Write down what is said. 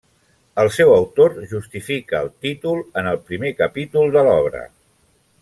El seu autor justifica el títol en el primer capítol de l'obra.